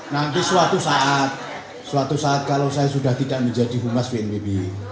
nanti suatu saat suatu saat kalau saya sudah tidak menjadi humas bnpb